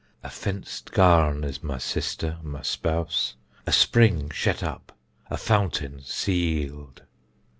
A fenced garn is my sister, my spouse, a spring shet up, a fountain seäled.